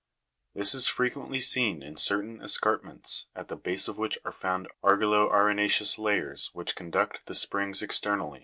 This is frequently seen in certain escarpments, at the base of which are found argilo arena'ceous layers which con duct the springs externally.